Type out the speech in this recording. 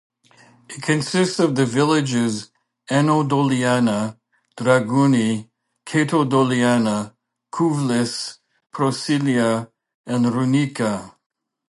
It consists of the villages Ano Doliana, Dragouni, Kato Doliana, Kouvlis, Prosilia and Rouneika.